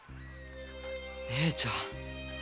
姉ちゃん。